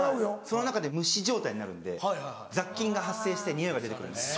その中で蒸し状態になるんで雑菌が発生して臭いが出て来るんです。